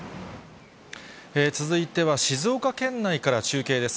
続いては静岡県内から中継です。